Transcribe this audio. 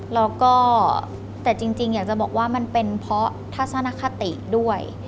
แล้วก็แต่จริงอยากจะบอกว่ามันเป็นเพราะทัศนคติด้วย